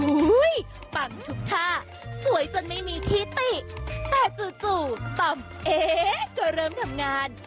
ปังทุกท่าสวยจนไม่มีที่เตะแต่จู่ต่อมเอ๊ก็เริ่มทำงาน